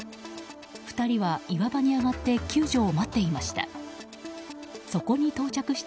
２人は岩場に上がって救助を待っていました。